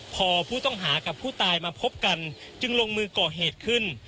พอผู้ต้องหากับผู้ตายมาพบกันจึงลงมือก่อเหตุขึ้น